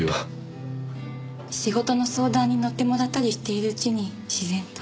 仕事の相談に乗ってもらったりしているうちに自然と。